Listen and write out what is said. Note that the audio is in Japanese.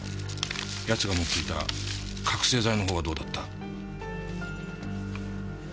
やつが持っていた覚せい剤の方はどうだった？